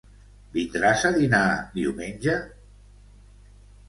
vindràs a dinar diumenge?